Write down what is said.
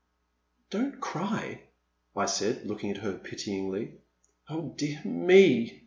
Don't cry," I said, looking at her pityingly. Oh dear me